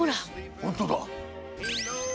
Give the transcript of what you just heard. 本当だ。